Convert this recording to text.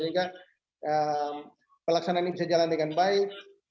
sehingga pelaksanaan ini bisa jalan dengan baik